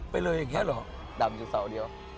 ไปเลยอย่างนี้หรอ